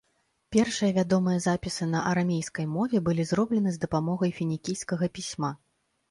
Першыя вядомыя запісы на арамейскай мове былі зроблены з дапамогай фінікійскага пісьма.